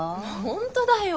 本当だよ。